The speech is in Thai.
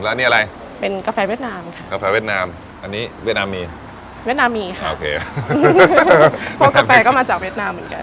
แล้วอันนี้อะไรเป็นกาแฟเวียดนามค่ะกาแฟเวียดนามอันนี้เวียดนามมีเวียดนามมีค่ะโอเคพวกกาแฟก็มาจากเวียดนามเหมือนกัน